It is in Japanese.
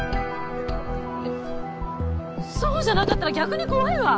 えそうじゃなかったら逆に怖いわ！